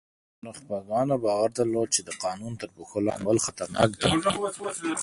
نخبګانو باور درلود چې د قانون تر پښو لاندې کول خطرناک دي.